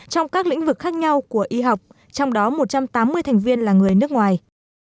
trong các lĩnh vực khác nhau của y học trong đó một trăm tám mươi thành viên là người nước ngoài